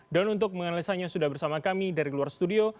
dan untuk menganalisanya sudah bersama kami dari luar studio